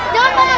jangan pak man